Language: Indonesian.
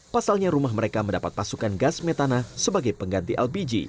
pasalnya rumah mereka mendapat pasukan gas metana sebagai pengganti lpg